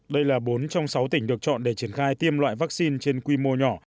đây là bốn trong sáu tỉnh được chọn để triển khai tiêm loại vaccine trên quy mô nhỏ